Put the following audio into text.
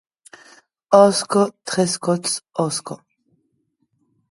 Òsca, tres còps òsca!